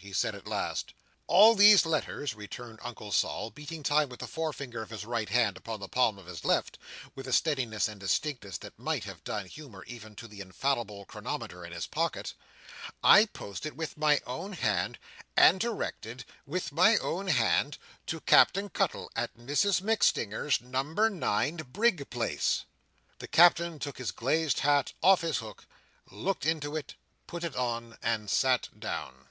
he said at last. "All these letters," returned Uncle Sol, beating time with the forefinger of his right hand upon the palm of his left, with a steadiness and distinctness that might have done honour, even to the infallible chronometer in his pocket, "I posted with my own hand, and directed with my own hand, to Captain Cuttle, at Mrs MacStinger's, Number nine Brig Place." The Captain took his glazed hat off his hook, looked into it, put it on, and sat down.